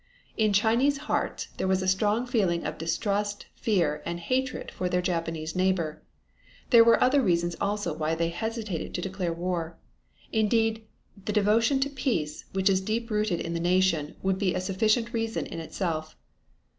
In Chinese hearts there was a strong feeling of distrust, fear and hatred for their Japanese neighbor. There were other reasons also why they hesitated to declare war. Indeed the devotion to peace, which is deep rooted in the nation, would be a sufficient reason in itself.